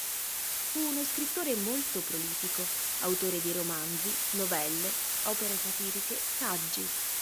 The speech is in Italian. Fu uno scrittore molto prolifico, autore di romanzi, novelle, opere satiriche, saggi.